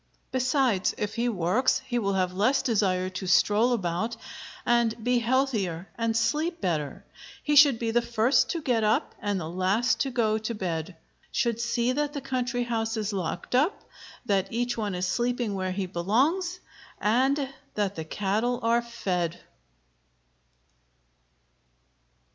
Besides, if he works he will have less desire to stroll about, and be healthier, and sleep better. He should be the first to get up and the last to go to bed; should see that the country house is locked up, that each one is sleeping where he belongs, and that the cattle are fed.